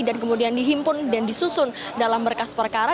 dan kemudian dihimpun dan disusun dalam berkas perkara